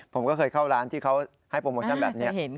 ผมก็เคยเข้าร้านที่เขาให้โปรโมชั่นแบบนี้